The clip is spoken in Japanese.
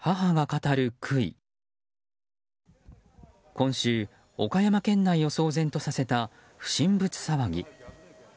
今週、岡山県内を騒然とさせた不審物騒ぎ。